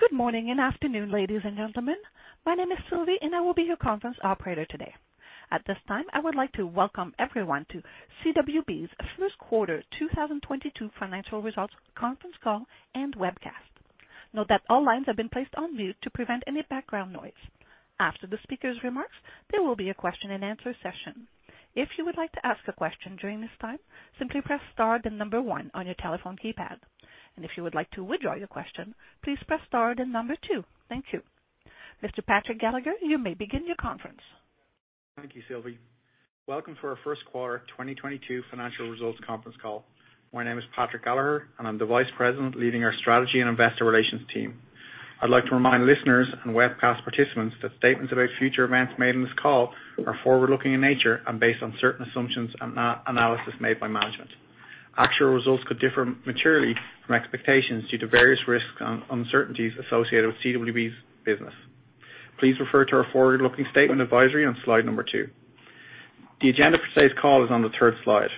Good morning and afternoon, ladies and gentlemen. My name is Sylvie, and I will be your conference operator today. At this time, I would like to welcome everyone to CWB's Q1 2022 Financial Results Conference Call and Webcast. Note that all lines have been placed on mute to prevent any background noise. After the speaker's remarks, there will be a Q&A session. If you would like to ask a question during this time, simply press star then number one on your telephone keypad. If you would like to withdraw your question, please press star then number two. Thank you. Mr. Patrick Gallagher, you may begin your conference. Thank you, Sylvie. Welcome to ourQ1 2022 financial results conference call. My name is Patrick Gallagher, and I'm the Vice President leading our strategy and investor relations team. I'd like to remind listeners and webcast participants that statements about future events made in this call are forward-looking in nature and based on certain assumptions and analysis made by management. Actual results could differ materially from expectations due to various risks and uncertainties associated with CWB's business. Please refer to our forward-looking statement advisory on slide two. The agenda for today's call is on the third slide.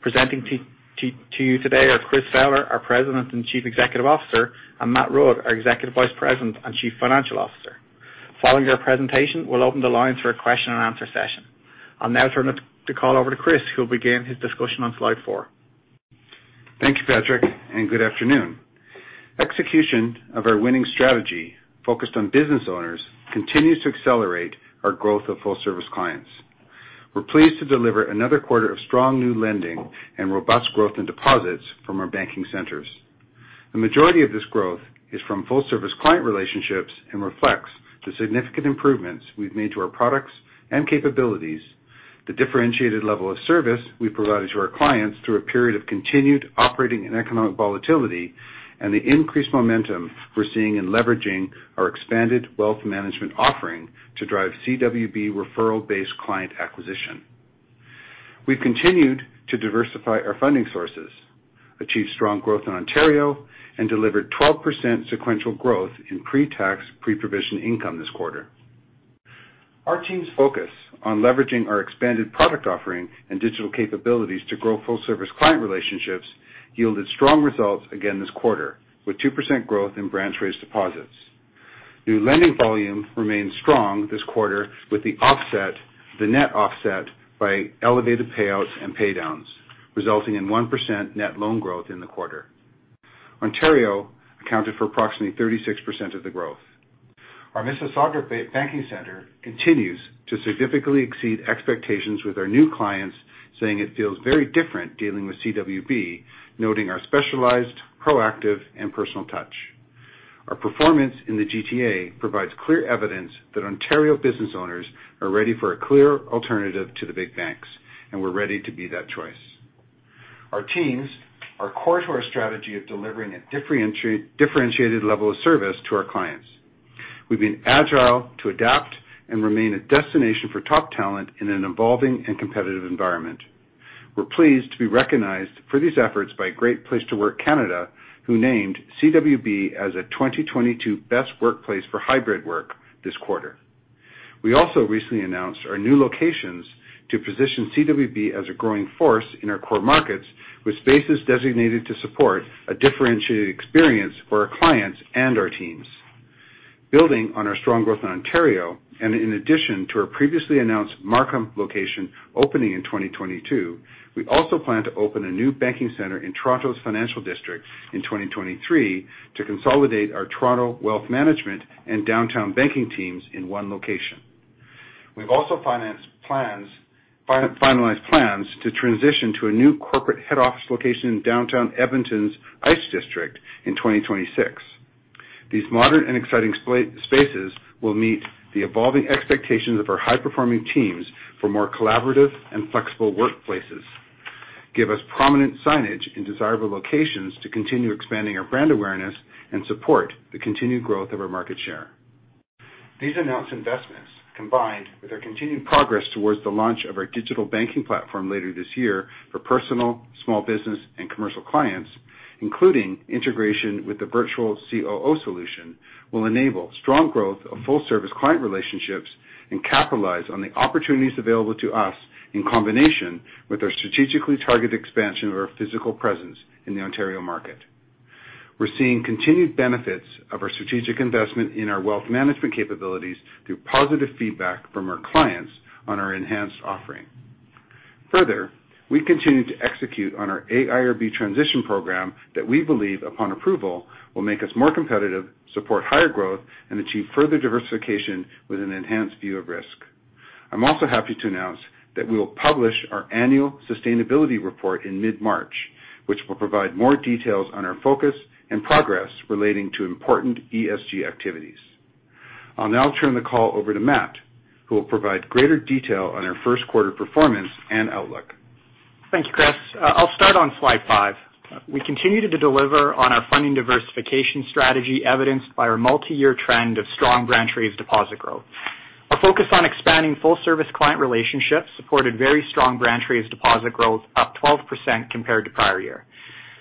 Presenting to you today are Chris Fowler, our President and Chief Executive Officer, and Matt Rudd, our Executive Vice President and Chief Financial Officer. Following their presentation, we'll open the lines for a question and answer session. I'll now turn the call over to Chris, who will begin his discussion on slide four. Thank you, Patrick, and good afternoon. Execution of our winning strategy focused on business owners continues to accelerate our growth of full service clients. We're pleased to deliver another quarter of strong new lending and robust growth in deposits from our banking centers. The majority of this growth is from full service client relationships and reflects the significant improvements we've made to our products and capabilities, the differentiated level of service we provided to our clients through a period of continued operating and economic volatility, and the increased momentum we're seeing in leveraging our expanded wealth management offering to drive CWB referral-based client acquisition. We've continued to diversify our funding sources, achieved strong growth in Ontario, and delivered 12% sequential growth in pre-tax, pre-provision income this quarter. Our team's focus on leveraging our expanded product offering and digital capabilities to grow full service client relationships yielded strong results again this quarter, with 2% growth in branch-raised deposits. New lending volume remained strong this quarter with the net offset by elevated payouts and pay downs, resulting in 1% net loan growth in the quarter. Ontario accounted for approximately 36% of the growth. Our Mississauga banking center continues to significantly exceed expectations with our new clients, saying it feels very different dealing with CWB, noting our specialized, proactive, and personal touch. Our performance in the GTA provides clear evidence that Ontario business owners are ready for a clear alternative to the big banks, and we're ready to be that choice. Our teams are core to our strategy of delivering a differentiated level of service to our clients. We've been agile to adapt and remain a destination for top talent in an evolving and competitive environment. We're pleased to be recognized for these efforts by Great Place to Work Canada, who named CWB as a 2022 best workplace for hybrid work this quarter. We also recently announced our new locations to position CWB as a growing force in our core markets with spaces designated to support a differentiated experience for our clients and our teams. Building on our strong growth in Ontario, and in addition to our previously announced Markham location opening in 2022, we also plan to open a new banking center in Toronto's financial district in 2023 to consolidate our Toronto wealth management and downtown banking teams in one location. We've also finalized plans to transition to a new corporate head office location in downtown Edmonton's Ice District in 2026. These modern and exciting spaces will meet the evolving expectations of our high-performing teams for more collaborative and flexible workplaces, give us prominent signage in desirable locations to continue expanding our brand awareness and support the continued growth of our market share. These announced investments, combined with our continued progress towards the launch of our digital banking platform later this year for personal, small business, and commercial clients, including integration with the Virtual COO solution, will enable strong growth of full service client relationships and capitalize on the opportunities available to us in combination with our strategically targeted expansion of our physical presence in the Ontario market. We're seeing continued benefits of our strategic investment in our wealth management capabilities through positive feedback from our clients on our enhanced offering. Further, we continue to execute on our AIRB transition program that we believe, upon approval, will make us more competitive, support higher growth, and achieve further diversification with an enhanced view of risk. I'm also happy to announce that we will publish our annual sustainability report in mid-March, which will provide more details on our focus and progress relating to important ESG activities. I'll now turn the call over to Matt, who will provide greater detail on our Q1 performance and outlook. Thank you, Chris. I'll start on slide five. We continued to deliver on our funding diversification strategy evidenced by our multi-year trend of strong branch-raised deposit growth. Our focus on expanding full-service client relationships supported very strong branch-raised deposit growth, up 12% compared to prior year.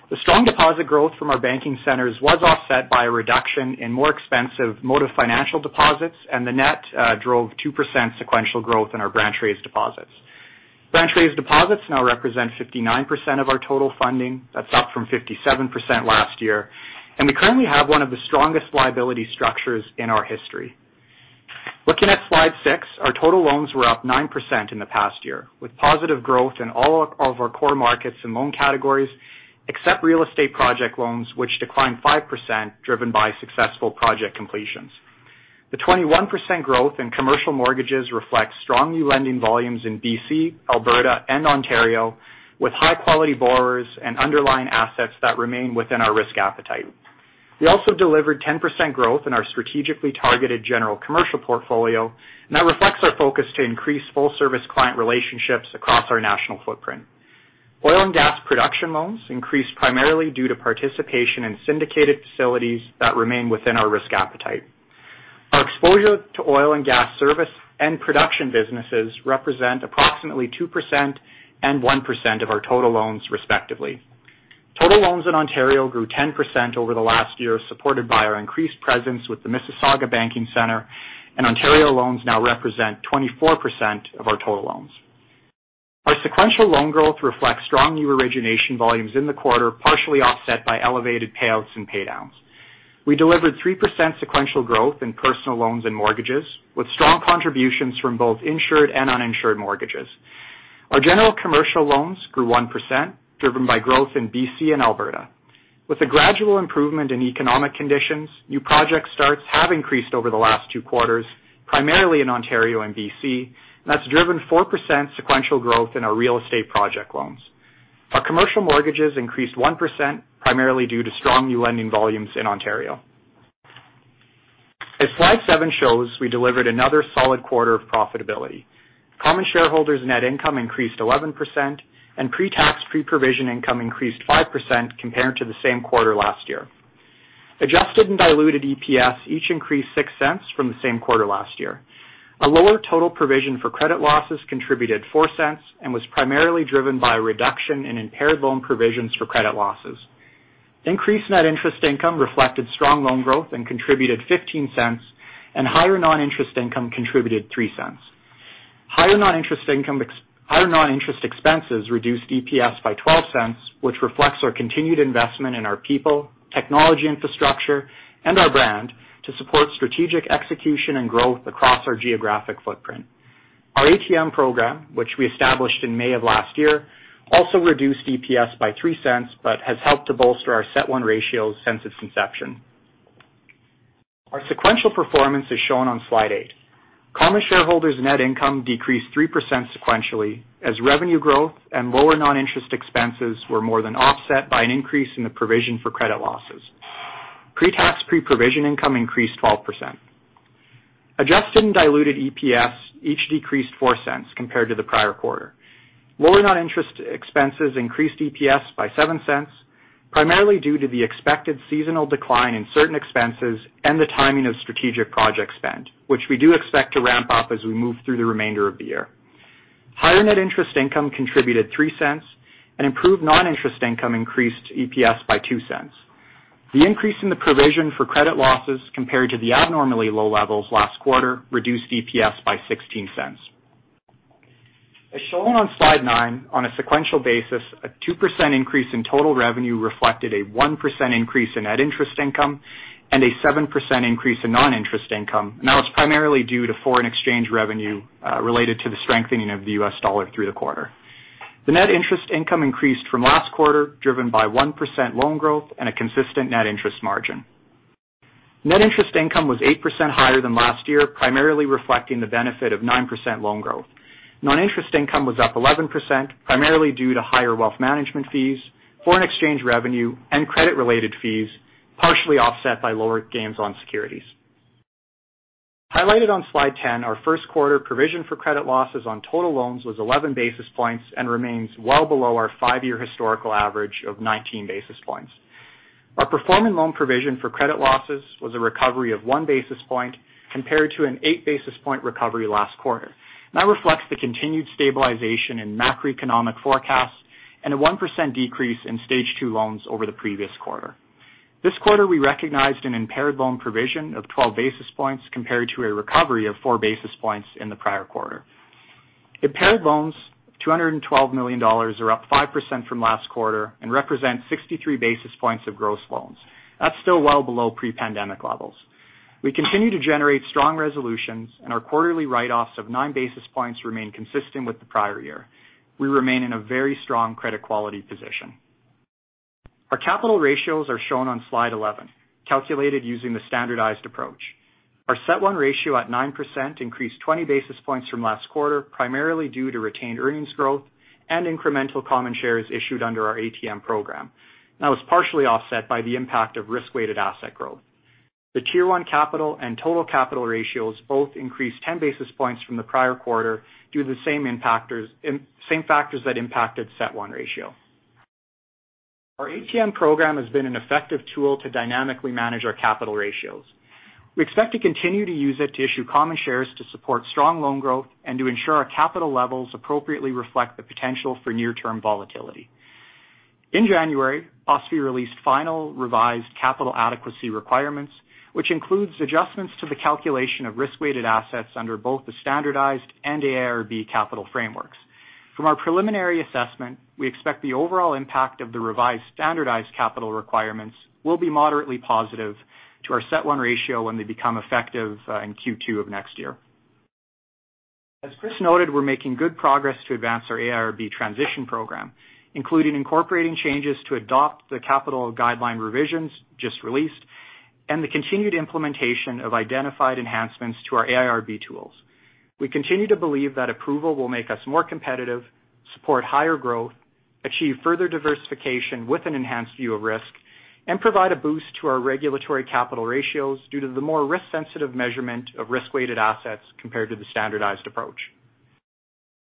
The strong deposit growth from our banking centers was offset by a reduction in more expensive modes of funding deposits, and the net drove 2% sequential growth in our branch-raised deposits. Branch trades deposits now represent 59% of our total funding. That's up from 57% last year, and we currently have one of the strongest liability structures in our history. Looking at slide 6, our total loans were up 9% in the past year, with positive growth in all of our core markets and loan categories, except real estate project loans, which declined 5% driven by successful project completions. The 21% growth in commercial mortgages reflects strong new lending volumes in BC, Alberta and Ontario, with high quality borrowers and underlying assets that remain within our risk appetite. We also delivered 10% growth in our strategically targeted general commercial portfolio, and that reflects our focus to increase full service client relationships across our national footprint. Oil and gas production loans increased primarily due to participation in syndicated facilities that remain within our risk appetite. Our exposure to oil and gas service and production businesses represent approximately 2% and 1% of our total loans, respectively. Total loans in Ontario grew 10% over the last year, supported by our increased presence with the Mississauga banking center and Ontario loans now represent 24% of our total loans. Our sequential loan growth reflects strong new origination volumes in the quarter, partially offset by elevated payouts and pay downs. We delivered 3% sequential growth in personal loans and mortgages, with strong contributions from both insured and uninsured mortgages. Our general commercial loans grew 1% driven by growth in BC and Alberta. With a gradual improvement in economic conditions, new project starts have increased over the last two quarters, primarily in Ontario and BC, and that's driven 4% sequential growth in our real estate project loans. Our commercial mortgages increased 1% primarily due to strong new lending volumes in Ontario. As slide seven shows, we delivered another solid quarter of profitability. Common shareholders net income increased 11% and pre-tax, pre-provision income increased 5% compared to the same quarter last year. Adjusted and diluted EPS each increased 0.06 from the same quarter last year. A lower total provision for credit losses contributed 0.04 and was primarily driven by reduction in impaired loan provisions for credit losses. Increased net interest income reflected strong loan growth and contributed 0.15, and higher non-interest income contributed 0.03. Higher non-interest expenses reduced EPS by 0.12, which reflects our continued investment in our people, technology infrastructure and our brand to support strategic execution and growth across our geographic footprint. Our ATM program, which we established in May of last year, also reduced EPS by 0.03, but has helped to bolster our CET1 ratio since its inception. Our sequential performance is shown on slide 8. Common shareholders net income decreased 3% sequentially as revenue growth and lower non-interest expenses were more than offset by an increase in the provision for credit losses. Pre-tax, pre-provision income increased 12%. Adjusted and diluted EPS each decreased 0.04 compared to the prior quarter. Lower non-interest expenses increased EPS by 0.07, primarily due to the expected seasonal decline in certain expenses and the timing of strategic project spend, which we do expect to ramp up as we move through the remainder of the year. Higher net interest income contributed 0.03 and improved non-interest income increased EPS by 0.02. The increase in the provision for credit losses compared to the abnormally low levels last quarter reduced EPS by $0.16. As shown on slide 9, on a sequential basis, a 2% increase in total revenue reflected a 1% increase in net interest income and a 7% increase in non-interest income, and that was primarily due to foreign exchange revenue related to the strengthening of the US dollar through the quarter. The net interest income increased from last quarter, driven by 1% loan growth and a consistent net interest margin. Net interest income was 8% higher than last year, primarily reflecting the benefit of 9% loan growth. Non-interest income was up 11%, primarily due to higher wealth management fees, foreign exchange revenue and credit related fees, partially offset by lower gains on securities. Highlighted on slide 10, our Q1 provision for credit losses on total loans was 11 basis points and remains well below our five-year historical average of 19 basis points. Our performing loan provision for credit losses was a recovery of 1 basis point compared to an 8 basis point recovery last quarter. That reflects the continued stabilization in macroeconomic forecasts and a 1% decrease in stage two loans over the previous quarter. This quarter, we recognized an impaired loan provision of 12 basis points compared to a recovery of 4 basis points in the prior quarter. Impaired loans, 212 million dollars, are up 5% from last quarter and represent 63 basis points of gross loans. That's still well below pre-pandemic levels. We continue to generate strong resolutions and our quarterly write-offs of 9 basis points remain consistent with the prior year. We remain in a very strong credit quality position. Our capital ratios are shown on slide 11, calculated using the standardized approach. Our CET1 ratio at 9% increased 20 basis points from last quarter, primarily due to retained earnings growth and incremental common shares issued under our ATM program. That was partially offset by the impact of risk-weighted asset growth. The Tier 1 capital and total capital ratios both increased 10 basis points from the prior quarter due to the same factors that impacted CET1 ratio. Our ATM program has been an effective tool to dynamically manage our capital ratios. We expect to continue to use it to issue common shares to support strong loan growth and to ensure our capital levels appropriately reflect the potential for near-term volatility. In January, OSFI released final revised capital adequacy requirements, which includes adjustments to the calculation of risk-weighted assets under both the standardized and AIRB capital frameworks. From our preliminary assessment, we expect the overall impact of the revised standardized capital requirements will be moderately positive to our CET1 ratio when they become effective, in Q2 of next year. As Chris noted, we're making good progress to advance our AIRB transition program, including incorporating changes to adopt the capital guideline revisions just released and the continued implementation of identified enhancements to our AIRB tools. We continue to believe that approval will make us more competitive, support higher growth, achieve further diversification with an enhanced view of risk, and provide a boost to our regulatory capital ratios due to the more risk sensitive measurement of risk-weighted assets compared to the standardized approach.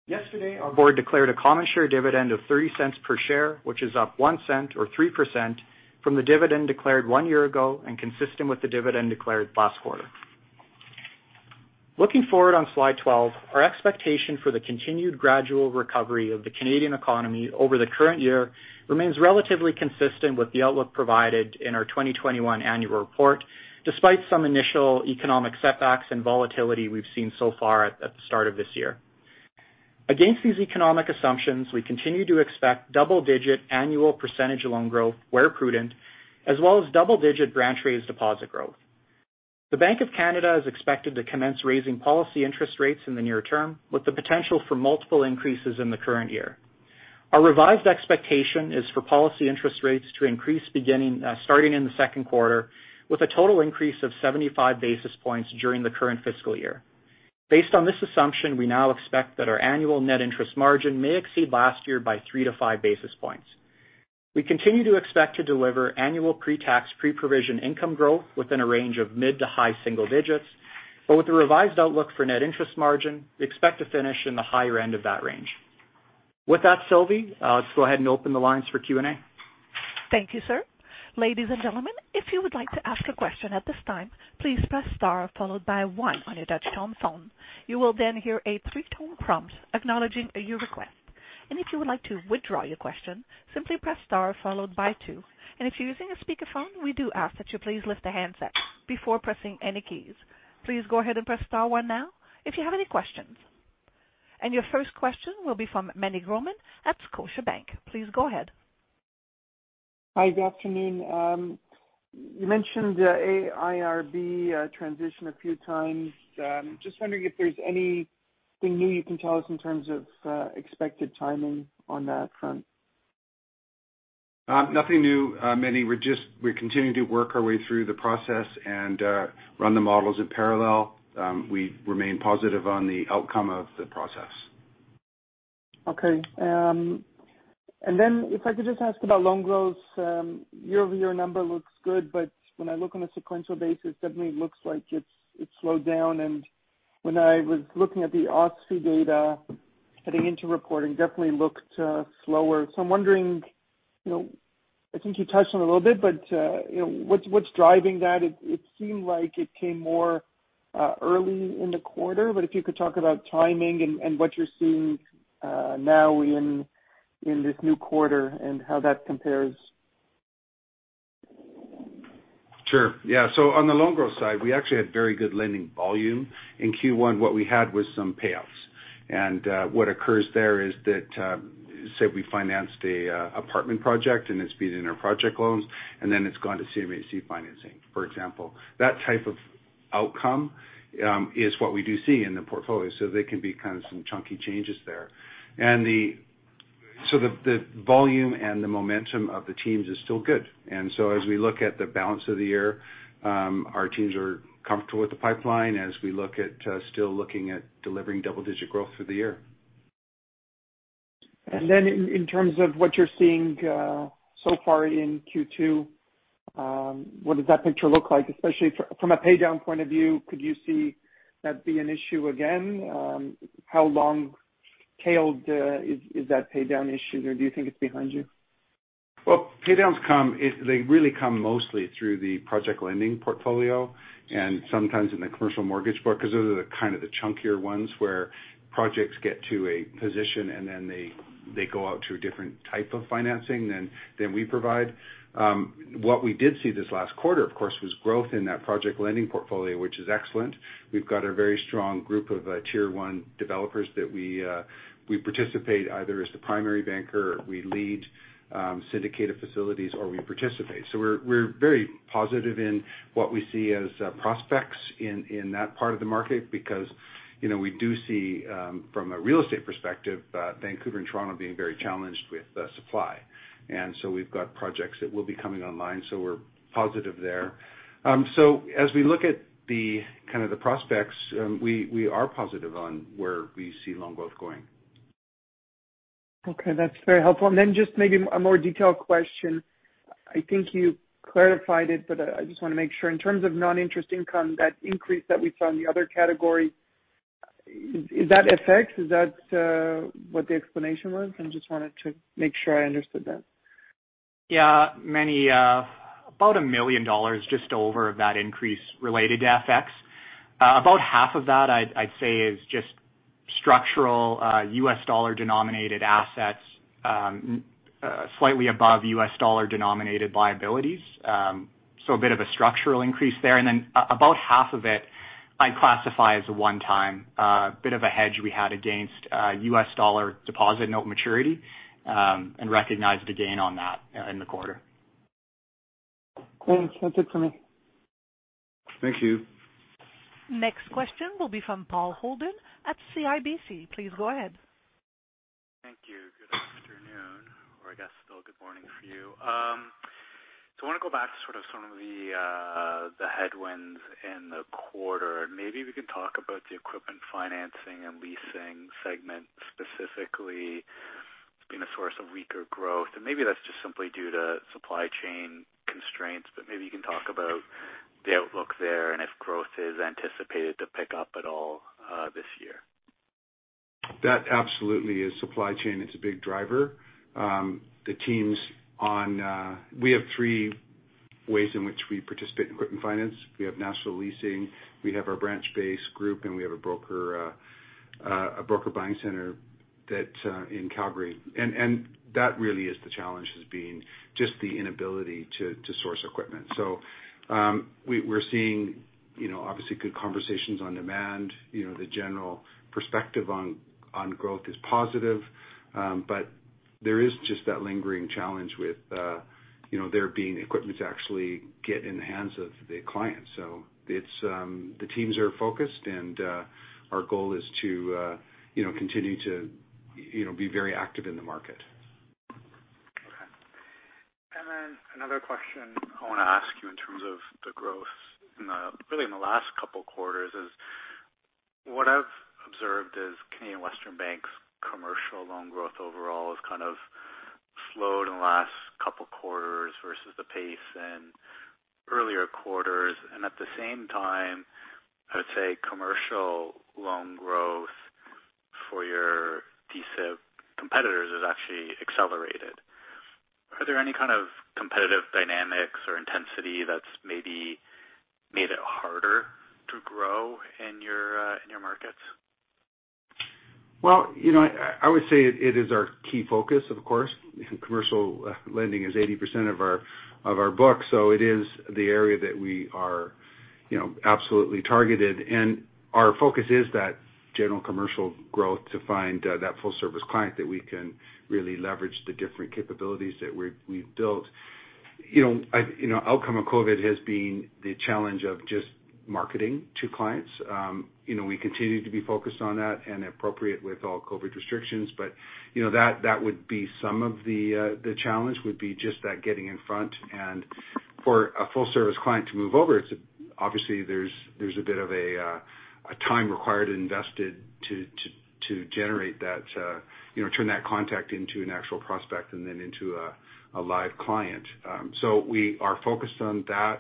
Yesterday, our board declared a common share dividend of 0.03 per share, which is up 0.01 or 3% from the dividend declared 1 year ago, and consistent with the dividend declared last quarter. Looking forward on slide 12, our expectation for the continued gradual recovery of the Canadian economy over the current year remains relatively consistent with the outlook provided in our 2021 annual report, despite some initial economic setbacks and volatility we've seen so far at the start of this year. Against these economic assumptions, we continue to expect double-digit annual percentage loan growth where prudent, as well as double-digit branch raised deposit growth. The Bank of Canada is expected to commence raising policy interest rates in the near term, with the potential for multiple increases in the current year. Our revised expectation is for policy interest rates to increase beginning, starting in the Q2, with a total increase of 75 basis points during the current fiscal year. Based on this assumption, we now expect that our annual net interest margin may exceed last year by 3 to 5 basis points. We continue to expect to deliver annual pre-tax, pre-provision income growth within a range of mid- to high-single digits, but with a revised outlook for net interest margin, we expect to finish in the higher end of that range. With that, Sylvie, let's go ahead and open the lines for Q&A. Thank you, sir. Ladies and gentlemen, if you would like to ask a question at this time, please press star followed by one on your touchtone phone. You will then hear a three-tone prompt acknowledging your request. If you would like to withdraw your question, simply press star followed by two. If you're using a speakerphone, we do ask that you please lift the handset before pressing any keys. Please go ahead and press star one now if you have any questions. Your first question will be from Meny Grauman at Scotiabank. Please go ahead. Hi, good afternoon. You mentioned the AIRB transition a few times. Just wondering if there's anything new you can tell us in terms of expected timing on that front. Nothing new, Meny. We're continuing to work our way through the process and run the models in parallel. We remain positive on the outcome of the process. Okay. Then if I could just ask about loan growth. Year-over-year number looks good, but when I look on a sequential basis, suddenly it looks like it's slowed down. When I was looking at the OSFI data heading into reporting, definitely looked slower. I'm wondering, you know, I think you touched on it a little bit, but, you know, what's driving that? It seemed like it came more early in the quarter, but if you could talk about timing and what you're seeing now in this new quarter and how that compares. Sure. Yeah. On the loan growth side, we actually had very good lending volume. In Q1 what we had was some payoffs. What occurs there is that, say we financed a apartment project and it's been in our project loans, and then it's gone to CMHC financing, for example. That type of outcome is what we do see in the portfolio, so they can be kind of some chunky changes there. The volume and the momentum of the teams is still good. As we look at the balance of the year, our teams are comfortable with the pipeline as we look at still looking at delivering double digit growth through the year. In terms of what you're seeing so far in Q2, what does that picture look like? Especially from a paydown point of view, could you see that be an issue again? How long-tailed is that paydown issue or do you think it's behind you? Paydowns really come mostly through the project lending portfolio and sometimes in the commercial mortgage book, because those are the kind of the chunkier ones, where projects get to a position and then they go out to a different type of financing than we provide. What we did see this last quarter, of course, was growth in that project lending portfolio, which is excellent. We've got a very strong group of Tier 1 developers that we participate either as the primary banker, we lead syndicated facilities or we participate. We're very positive in what we see as prospects in that part of the market because, you know, we do see from a real estate perspective, Vancouver and Toronto being very challenged with the supply. We've got projects that will be coming online, so we're positive there. As we look at the kind of the prospects, we are positive on where we see loan growth going. Okay, that's very helpful. Just maybe a more detailed question. I think you clarified it, but I just wanna make sure. In terms of non-interest income, that increase that we saw in the other category, is that FX? Is that what the explanation was? I just wanted to make sure I understood that. Yeah, Meny, about just over CAD 1 million of that increase related to FX. About half of that I'd say is just structural U.S. dollar denominated assets slightly above U.S. dollar denominated liabilities. So a bit of a structural increase there. About half of it I'd classify as a one-time bit of a hedge we had against U.S. dollar deposit and note maturity, and recognized a gain on that in the quarter. Great. That's it for me. Thank you. Next question will be from Paul Holden at CIBC. Please go ahead. Thank you. Good afternoon, or I guess still good morning for you. I wanna go back to sort of some of the headwinds in the quarter. Maybe we can talk about the equipment financing and leasing segment specifically. It's been a source of weaker growth, and maybe that's just simply due to supply chain constraints, but maybe you can talk about the outlook there and if growth is anticipated to pick up at all, this year. That absolutely is supply chain, it's a big driver. The teams on. We have three ways in which we participate in equipment finance. We have National Leasing, we have our branch-based group, and we have a broker buying center that in Calgary. That really is the challenge, has been just the inability to source equipment. We're seeing, you know, obviously good conversations on demand. You know, the general perspective on growth is positive. There is just that lingering challenge with, you know, there being equipment to actually get in the hands of the client. It's. The teams are focused and our goal is to, you know, continue to, you know, be very active in the market. Okay. Another question I wanna ask you in terms of the growth in the, really in the last couple quarters is, what I've observed is Canadian Western Bank's commercial loan growth overall has kind of slowed in the last couple quarters versus the pace in earlier quarters. At the same time, I would say commercial loan growth for your D-SIB competitors has actually accelerated. Are there any kind of competitive dynamics or intensity that's maybe made it harder to grow in your markets? Well, you know, I would say it is our key focus, of course. Commercial lending is 80% of our books, so it is the area that we are, you know, absolutely targeted. Our focus is that general commercial growth to find that full service client that we can really leverage the different capabilities that we've built. You know, outcome of COVID has been the challenge of just marketing to clients. You know, we continue to be focused on that and appropriate with all COVID restrictions. You know, that would be some of the challenge, would be just that getting in front. For a full service client to move over, it's obviously there's a bit of a time required and invested to generate that, you know, turn that contact into an actual prospect and then into a live client. We are focused on that.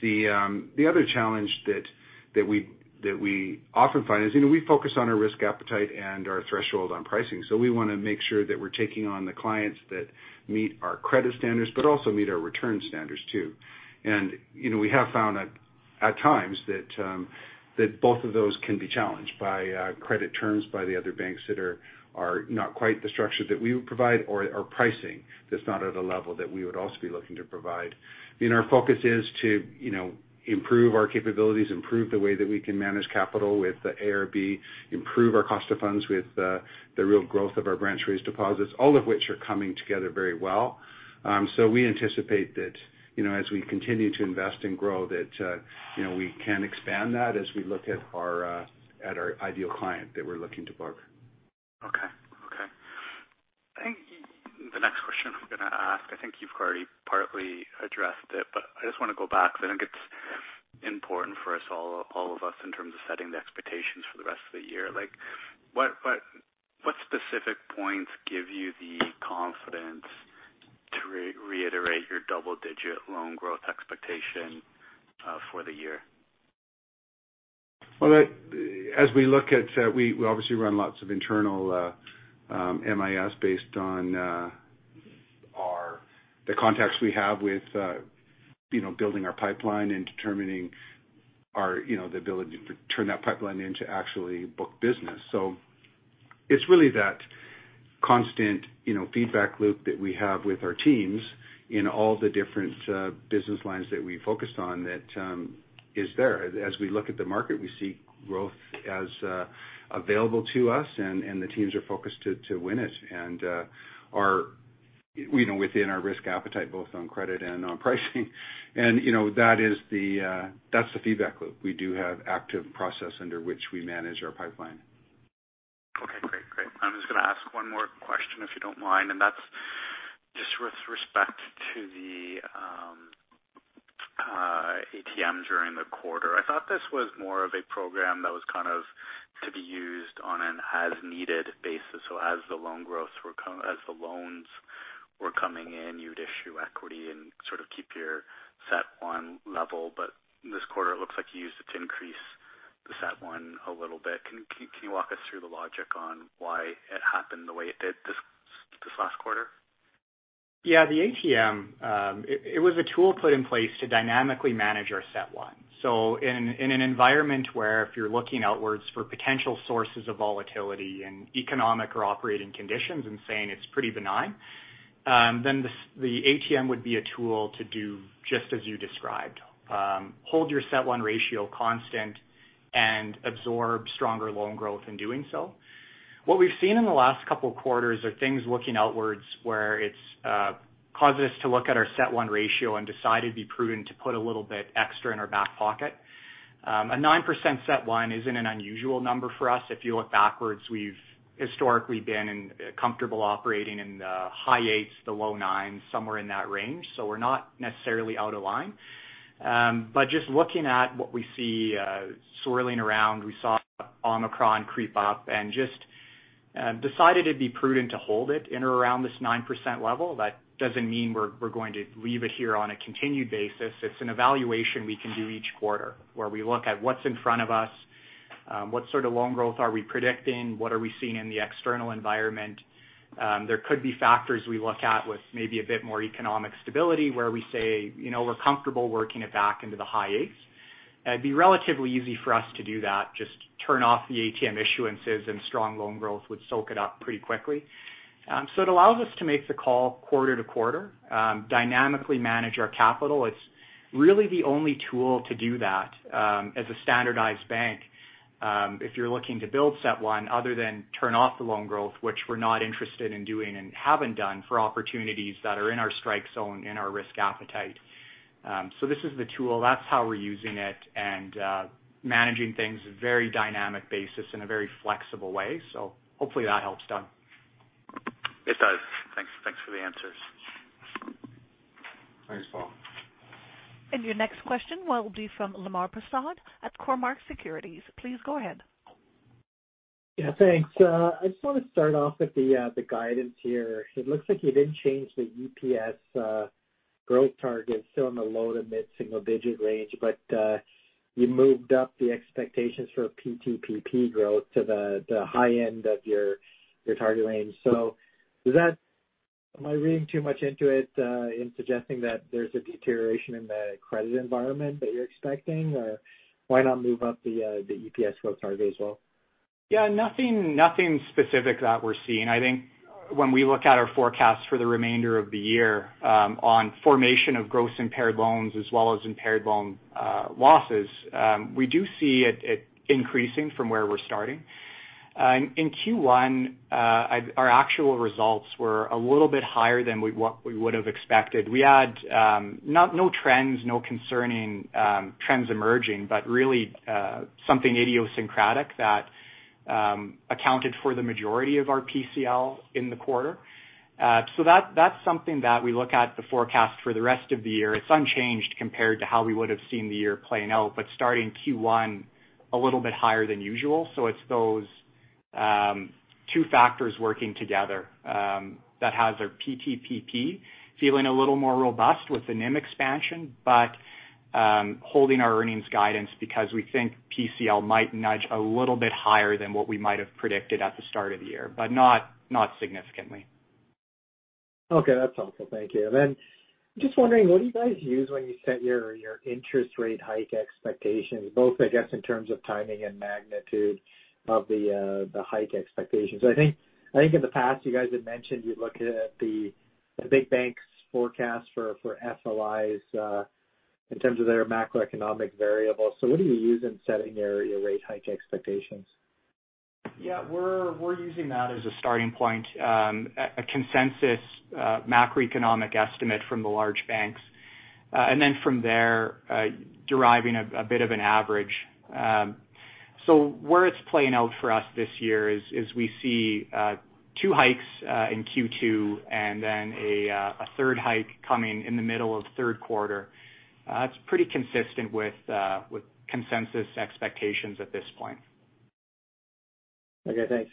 The other challenge that we often find is, you know, we focus on our risk appetite and our threshold on pricing. We wanna make sure that we're taking on the clients that meet our credit standards, but also meet our return standards too. You know, we have found at times that both of those can be challenged by credit terms by the other banks that are not quite the structure that we would provide or pricing that's not at a level that we would also be looking to provide. I mean, our focus is to you know, improve our capabilities, improve the way that we can manage capital with the AIRB, improve our cost of funds with the real growth of our branch-raised deposits, all of which are coming together very well. We anticipate that you know, as we continue to invest and grow, that you know, we can expand that as we look at our at our ideal client that we're looking to book. Okay. I think the next question I'm gonna ask. I think you've already partly addressed it, but I just wanna go back because I think it's important for us all of us in terms of setting the expectations for the rest of the year. Like, what specific points give you the confidence to reiterate your double-digit loan growth expectation for the year? As we look at, we obviously run lots of internal MIS based on the contacts we have with, you know, building our pipeline and determining our, you know, the ability to turn that pipeline into actually book business. It's really that constant, you know, feedback loop that we have with our teams in all the different business lines that we focused on that is there. As we look at the market, we see growth as available to us and the teams are focused to win it and our, you know, within our risk appetite, both on credit and on pricing. You know, that is the, that's the feedback loop. We do have active process under which we manage our pipeline. Okay, great. Great. I'm just gonna ask one more question, if you don't mind, and that's just with respect to the ATM during the quarter. I thought this was more of a program that was kind of to be used on an as needed basis. As the loans were coming in, you'd issue equity and sort of keep your CET1 level. This quarter, it looks like you used it to increase the CET1 a little bit. Can you walk us through the logic on why it happened the way it did this quarter? Yeah, the ATM, it was a tool put in place to dynamically manage our CET1. In an environment where if you're looking outwards for potential sources of volatility and economic or operating conditions and saying it's pretty benign, then the ATM would be a tool to do just as you described. Hold your CET1 ratio constant and absorb stronger loan growth in doing so. What we've seen in the last couple of quarters are things looking outwards where it causes us to look at our CET1 ratio and decide it'd be prudent to put a little bit extra in our back pocket. A 9% CET1 isn't an unusual number for us. If you look backwards, we've historically been in comfortable operating in the high 8s to low 9s, somewhere in that range, so we're not necessarily out of line. Just looking at what we see swirling around, we saw Omicron creep up and just decided it'd be prudent to hold it in or around this 9% level. That doesn't mean we're going to leave it here on a continued basis. It's an evaluation we can do each quarter, where we look at what's in front of us, what sort of loan growth are we predicting, what are we seeing in the external environment. There could be factors we look at with maybe a bit more economic stability where we say, you know, we're comfortable working it back into the high 8s. It'd be relatively easy for us to do that, just turn off the ATM issuances and strong loan growth would soak it up pretty quickly. It allows us to make the call quarter-to-quarter, dynamically manage our capital. It's really the only tool to do that, as a standardized bank, if you're looking to build CET1, other than turn off the loan growth, which we're not interested in doing and haven't done for opportunities that are in our strike zone, in our risk appetite. This is the tool. That's how we're using it and managing things, very dynamic basis in a very flexible way. Hopefully that helps, Don. It does. Thanks for the answers. Thanks, Paul. Your next question will be from Lemar Persaud at Cormark Securities. Please go ahead. Yeah, thanks. I just wanna start off with the guidance here. It looks like you didn't change the EPS growth target, still in the low to mid-single digit range. You moved up the expectations for PTPP growth to the high end of your target range. Am I reading too much into it in suggesting that there's a deterioration in the credit environment that you're expecting? Or why not move up the EPS growth target as well? Yeah, nothing specific that we're seeing. I think when we look at our forecast for the remainder of the year, on formation of gross impaired loans as well as impaired loan losses, we do see it increasing from where we're starting. In Q1, our actual results were a little bit higher than we would have expected. We had no trends, no concerning trends emerging, but really, something idiosyncratic that accounted for the majority of our PCL in the quarter. That's something that we look at the forecast for the rest of the year. It's unchanged compared to how we would have seen the year playing out, but starting Q1 a little bit higher than usual. It's those two factors working together that has our PTPP feeling a little more robust with the NIM expansion, but holding our earnings guidance because we think PCL might nudge a little bit higher than what we might have predicted at the start of the year. Not significantly. Okay. That's helpful. Thank you. Just wondering, what do you guys use when you set your interest rate hike expectations, both, I guess, in terms of timing and magnitude of the hike expectations? I think in the past, you guys had mentioned you look at the big banks' forecast for ECLs in terms of their macroeconomic variables. What do you use in setting your rate hike expectations? Yeah. We're using that as a starting point, a consensus macroeconomic estimate from the large banks. From there, deriving a bit of an average. Where it's playing out for us this year is we see two hikes in Q2 and then a third hike coming in the middle of the Q3. It's pretty consistent with consensus expectations at this point. Okay, thanks.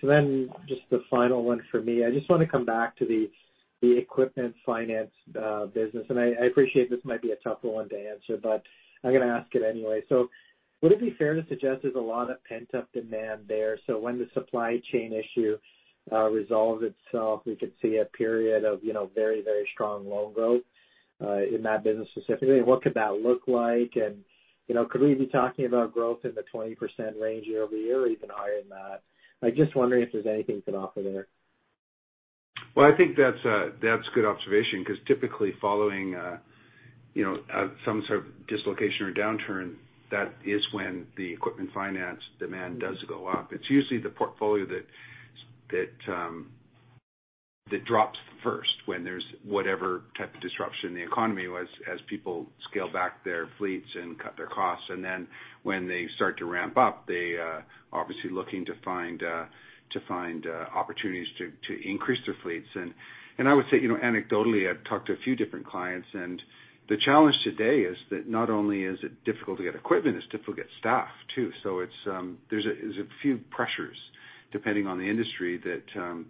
Just the final one for me. I just wanna come back to the equipment finance business. I appreciate this might be a tougher one to answer, but I'm gonna ask it anyway. Would it be fair to suggest there's a lot of pent-up demand there, so when the supply chain issue resolves itself, we could see a period of, you know, very, very strong loan growth in that business specifically? What could that look like? You know, could we be talking about growth in the 20% range year-over-year or even higher than that? I'm just wondering if there's anything you can offer there. Well, I think that's good observation, 'cause typically following, you know, some sort of dislocation or downturn, that is when the equipment finance demand does go up. It's usually the portfolio that drops first when there's whatever type of disruption in the economy as people scale back their fleets and cut their costs. When they start to ramp up, they obviously looking to find opportunities to increase their fleets. I would say, you know, anecdotally, I've talked to a few different clients, and the challenge today is that not only is it difficult to get equipment, it's difficult to get staff too. It's there's a few pressures depending on the industry that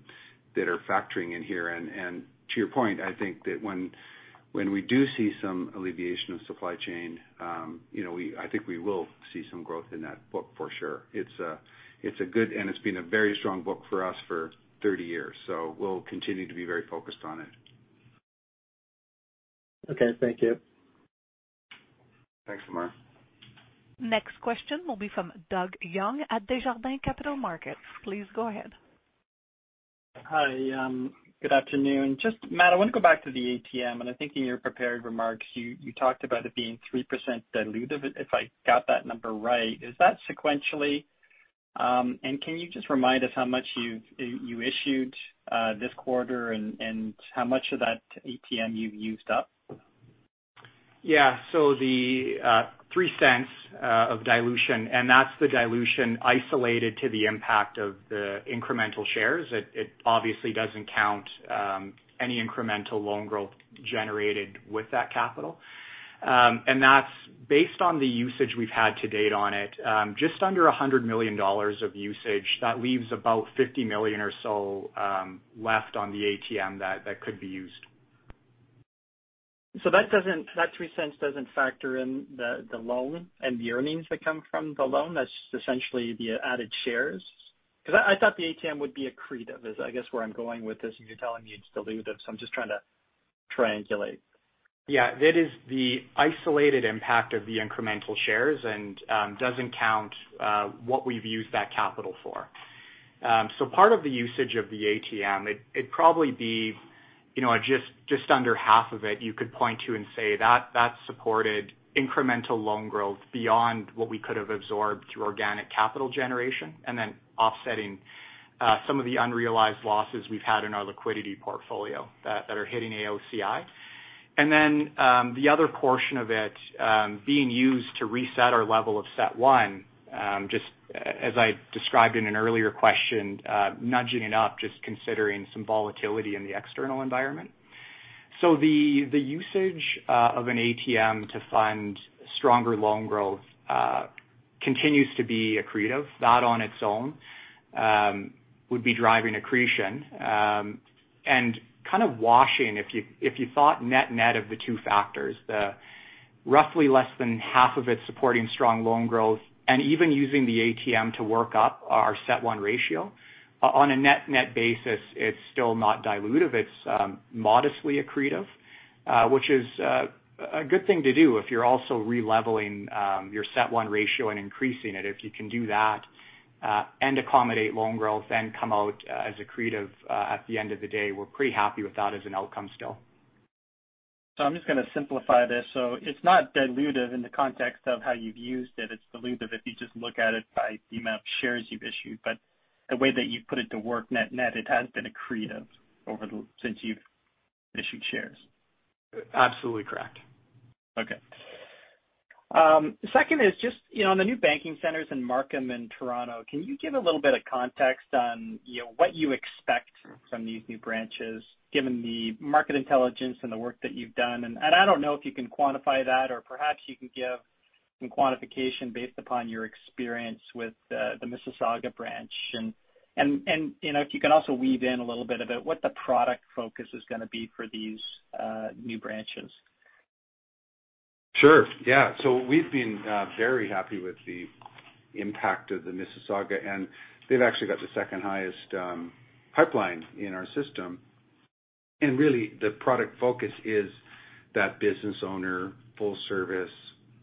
are factoring in here. To your point, I think that when we do see some alleviation of supply chain, you know, I think we will see some growth in that book for sure. It's a good one and it's been a very strong book for us for 30 years, so we'll continue to be very focused on it. Okay, thank you. Thanks, Lemar. Next question will be from Doug Young at Desjardins Capital Markets. Please go ahead. Hi, good afternoon. Just Matt, I want to go back to the ATM and I think in your prepared remarks you talked about it being 3% dilutive, if I got that number right. Is that sequentially? And can you just remind us how much you've issued this quarter and how much of that ATM you've used up? Yeah. The 0.03 of dilution, and that's the dilution isolated to the impact of the incremental shares. It obviously doesn't count any incremental loan growth generated with that capital. That's based on the usage we've had to date on it, just under 100 million dollars of usage. That leaves about 50 million or so left on the ATM that could be used. That doesn't that 0.03 doesn't factor in the loan and the earnings that come from the loan. That's just essentially the added shares? 'Cause I thought the ATM would be accretive is I guess where I'm going with this, and you're telling me it's dilutive, so I'm just trying to triangulate. Yeah. That is the isolated impact of the incremental shares and doesn't count what we've used that capital for. Part of the usage of the ATM, it'd probably be, you know, just under half of it you could point to and say that supported incremental loan growth beyond what we could have absorbed through organic capital generation and then offsetting some of the unrealized losses we've had in our liquidity portfolio that are hitting AOCI. The other portion of it being used to reset our level of CET1 just as I described in an earlier question nudging it up just considering some volatility in the external environment. The usage of an ATM to fund stronger loan growth continues to be accretive. That on its own would be driving accretion. Kind of weighing if you thought net-net of the two factors, the roughly less than half of it supporting strong loan growth and even using the ATM to work up our CET1 ratio. On a net-net basis, it's still not dilutive. It's modestly accretive, which is a good thing to do if you're also releveling your CET1 ratio and increasing it. If you can do that and accommodate loan growth and come out as accretive, at the end of the day, we're pretty happy with that as an outcome still. I'm just going to simplify this. It's not dilutive in the context of how you've used it. It's dilutive if you just look at it by the amount of shares you've issued. The way that you've put it to work net net, it has been accretive since you've issued shares. Absolutely correct. Okay. Second is just, you know, on the new banking centers in Markham and Toronto, can you give a little bit of context on, you know, what you expect from these new branches given the market intelligence and the work that you've done? You know, if you can also weave in a little bit about what the product focus is going to be for these new branches. Sure. Yeah. We've been very happy with the impact of the Mississauga, and they've actually got the second highest pipeline in our system. Really the product focus is that business owner full service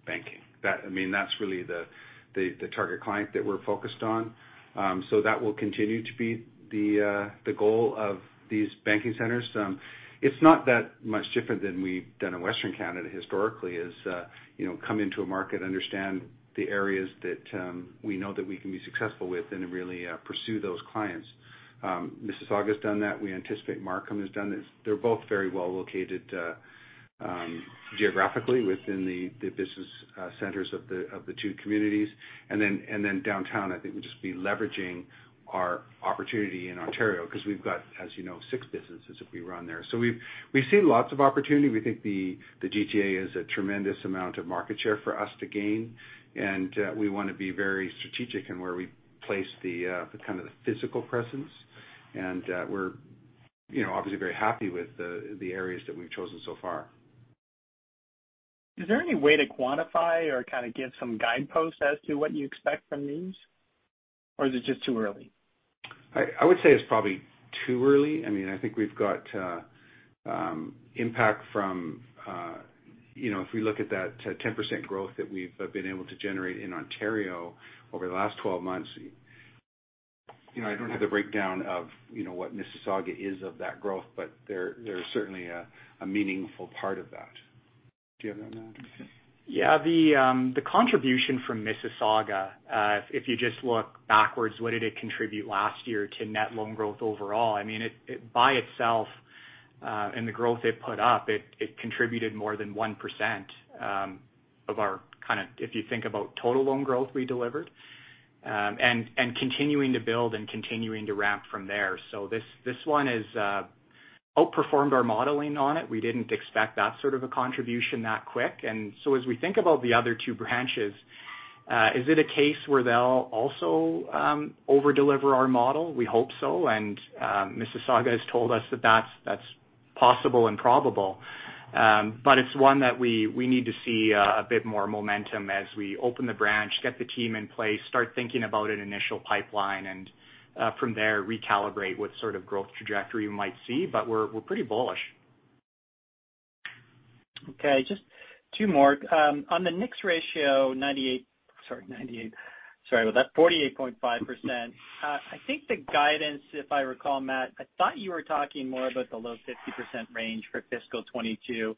banking. I mean, that's really the target client that we're focused on. That will continue to be the goal of these banking centers. It's not that much different than we've done in Western Canada historically. You know, come into a market, understand the areas that we know that we can be successful with and really pursue those clients. Mississauga's done that. We anticipate Markham has done this. They're both very well located geographically within the business centers of the two communities. Downtown, I think we'll just be leveraging our opportunity in Ontario because we've got, as you know, 6 businesses that we run there. We've seen lots of opportunity. We think the GTA is a tremendous amount of market share for us to gain. We want to be very strategic in where we place the kind of physical presence. We're, you know, obviously very happy with the areas that we've chosen so far. Is there any way to quantify or kind of give some guideposts as to what you expect from these? Or is it just too early? I would say it's probably too early. I mean, I think we've got impact from, you know, if we look at that 10% growth that we've been able to generate in Ontario over the last 12 months, you know, I don't have the breakdown of, you know, what Mississauga is of that growth, but they're certainly a meaningful part of that. Do you have that, Matt? Yeah. The contribution from Mississauga, if you just look backwards, what did it contribute last year to net loan growth overall, I mean it by itself, and the growth it put up, it contributed more than 1% of our kind of, if you think about total loan growth we delivered, and continuing to build and continuing to ramp from there. This one outperformed our modeling on it. We didn't expect that sort of a contribution that quick. As we think about the other two branches, is it a case where they'll also over-deliver our model? We hope so, and Mississauga has told us that that's possible and probable. It's one that we need to see a bit more momentum as we open the branch, get the team in place, start thinking about an initial pipeline, and from there recalibrate what sort of growth trajectory we might see. We're pretty bullish. Okay, just two more. On the NIX ratio, 48.5%. I think the guidance, if I recall, Matt, I thought you were talking more about the low 50% range for fiscal 2022, and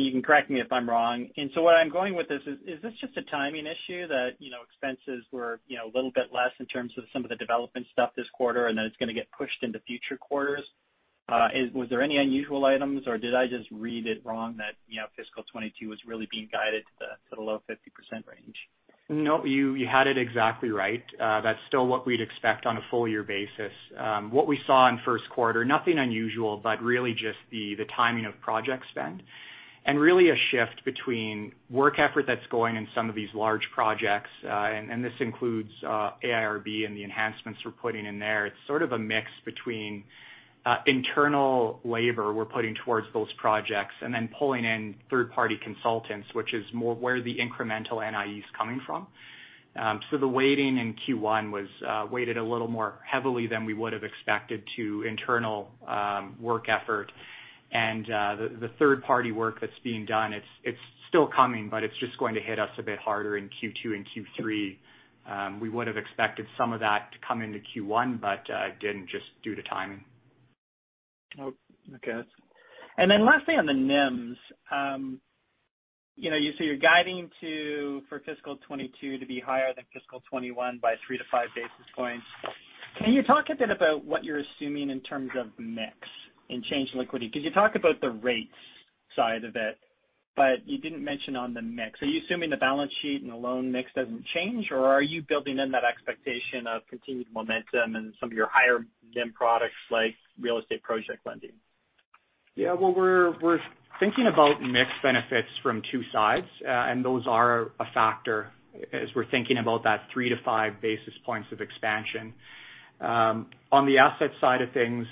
you can correct me if I'm wrong. What I'm going with this is this just a timing issue that, you know, expenses were, you know, a little bit less in terms of some of the development stuff this quarter and then it's gonna get pushed into future quarters? Was there any unusual items, or did I just read it wrong that, you know, fiscal 2022 was really being guided to the low 50% range? No, you had it exactly right. That's still what we'd expect on a full year basis. What we saw in Q1, nothing unusual, but really just the timing of project spend. Really a shift between work effort that's going in some of these large projects, and this includes AIRB and the enhancements we're putting in there. It's sort of a mix between internal labor we're putting towards those projects and then pulling in third party consultants, which is more where the incremental NIE is coming from. So the weighting in Q1 was weighted a little more heavily than we would've expected to internal work effort. The third party work that's being done, it's still coming, but it's just going to hit us a bit harder in Q2 and Q3. We would've expected some of that to come into Q1, but it didn't just due to timing. Oh, okay. Then lastly on the NIMs. You know, you said you're guiding to for fiscal 2022 to be higher than fiscal 2021 by 3 to 5 basis points. Can you talk a bit about what you're assuming in terms of mix and change in liquidity? 'Cause you talk about the rates side of it, but you didn't mention on the mix. Are you assuming the balance sheet and the loan mix doesn't change, or are you building in that expectation of continued momentum in some of your higher NIM products like real estate project lending? Yeah. Well, we're thinking about mix benefits from two sides, and those are a factor as we're thinking about that 3 to 5 basis points of expansion. On the asset side of things,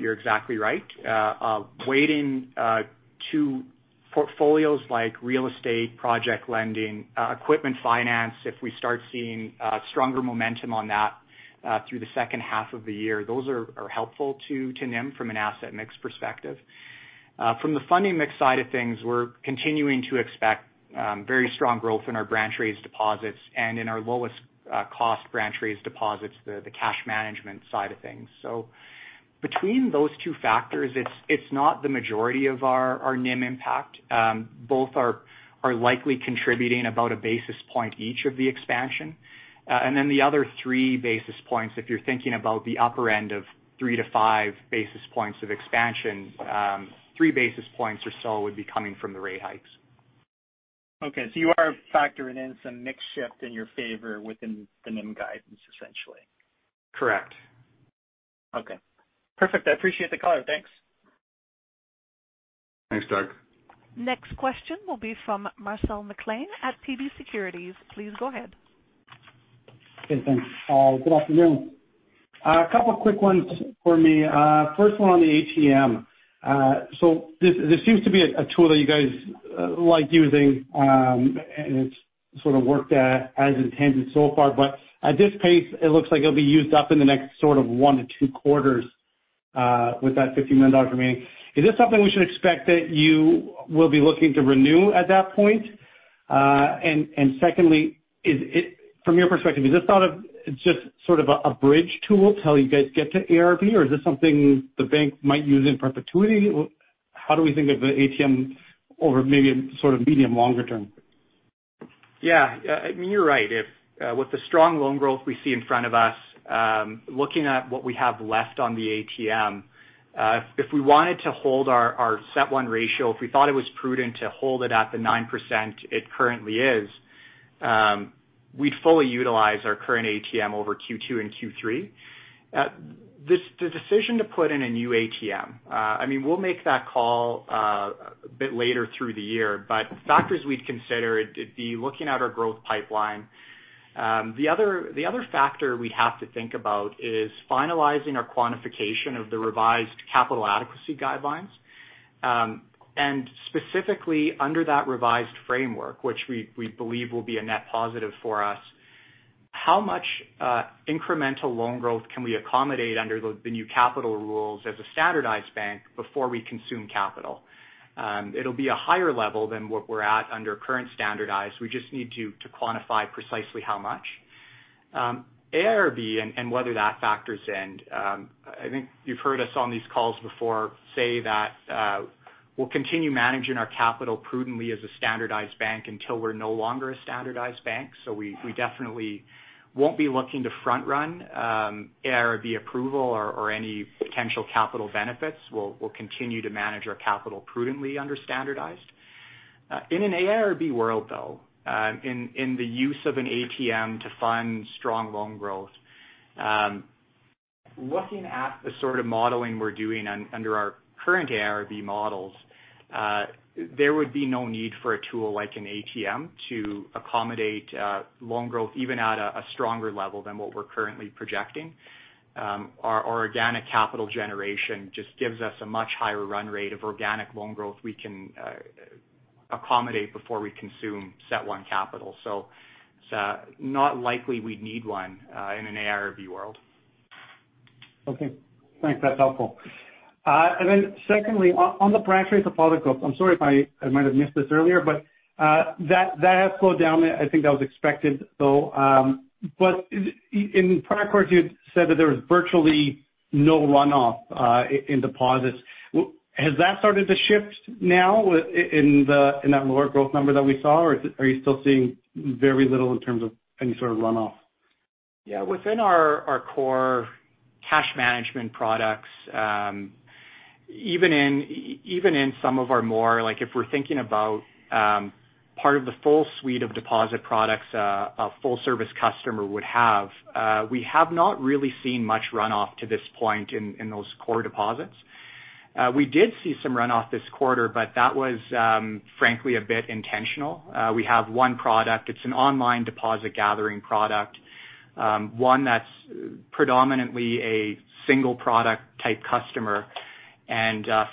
you're exactly right. Weighting to portfolios like real estate, project lending, equipment finance, if we start seeing stronger momentum on that through the second half of the year, those are helpful to NIM from an asset mix perspective. From the funding mix side of things, we're continuing to expect very strong growth in our branch raised deposits and in our lowest cost branch raised deposits, the cash management side of things. Between those two factors, it's not the majority of our NIM impact. Both are likely contributing about a basis point each of the expansion. The other 3 basis points, if you're thinking about the upper end of 3 to 5 basis points of expansion, 3 basis points or so would be coming from the rate hikes. Okay. You are factoring in some mix shift in your favor within the NIM guidance essentially? Correct. Okay. Perfect. I appreciate the color. Thanks. Thanks, Doug. Next question will be from Marcel McCain at TD Securities. Please go ahead. Okay, thanks. Good afternoon. A couple of quick ones for me. First one on the ATM. So this seems to be a tool that you guys like using, and it's sort of worked as intended so far. But at this pace, it looks like it'll be used up in the next sort of one to two quarters, with that 50 million dollars remaining. Is this something we should expect that you will be looking to renew at that point? And secondly, from your perspective, is this thought of just sort of a bridge tool till you guys get to AIRB, or is this something the bank might use in perpetuity? How do we think of the ATM over maybe a sort of medium longer term? Yeah. Yeah, I mean, you're right. If with the strong loan growth we see in front of us, looking at what we have left on the ATM, if we wanted to hold our CET1 ratio, if we thought it was prudent to hold it at the 9% it currently is, we'd fully utilize our current ATM over Q2 and Q3. The decision to put in a new ATM, I mean, we'll make that call a bit later through the year, but factors we'd consider it'd be looking at our growth pipeline. The other factor we have to think about is finalizing our quantification of the revised capital adequacy guidelines. Specifically under that revised framework, which we believe will be a net positive for us, how much incremental loan growth can we accommodate under the new capital rules as a standardized bank before we consume capital? It'll be a higher level than what we're at under current standardized. We just need to quantify precisely how much. AIRB and whether that factors in. I think you've heard us on these calls before say that we'll continue managing our capital prudently as a standardized bank until we're no longer a standardized bank. We definitely won't be looking to front run AIRB approval or any potential capital benefits. We'll continue to manage our capital prudently under standardized. In an AIRB world, though, in the use of an ATM to fund strong loan growth, looking at the sort of modeling we're doing under our current AIRB models, there would be no need for a tool like an ATM to accommodate loan growth even at a stronger level than what we're currently projecting. Our organic capital generation just gives us a much higher run rate of organic loan growth we can accommodate before we consume CET1 capital. It's not likely we'd need one in an AIRB world. Okay, thanks. That's helpful. Secondly, on the branch-raised deposit growth, I'm sorry if I might have missed this earlier, but that has slowed down. I think that was expected though. In prior quarters, you said that there was virtually no runoff in deposits. Has that started to shift now in that lower growth number that we saw? Are you still seeing very little in terms of any sort of runoff? Yeah. Within our core cash management products, even in some of our more, like if we're thinking about part of the full suite of deposit products, a full-service customer would have, we have not really seen much runoff to this point in those core deposits. We did see some runoff this quarter, but that was, frankly, a bit intentional. We have one product, it's an online deposit gathering product, one that's predominantly a single product type customer.